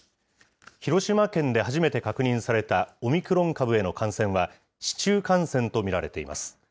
広島県で初めて確認されたオミクロン株への感染は、市中感染と見られています。